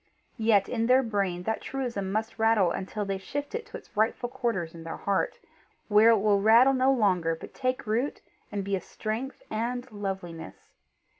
Yet in their brain that truism must rattle until they shift it to its rightful quarters in their heart, where it will rattle no longer but take root and be a strength and loveliness.